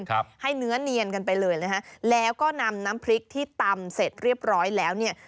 ครับให้เนื้อเนียนกันไปเลยนะฮะแล้วก็นำน้ำพริกที่ตำเสร็จเรียบร้อยแล้วเนี่ย